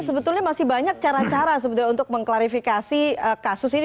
sebetulnya masih banyak cara cara untuk mengklarifikasi kasus ini